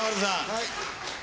はい。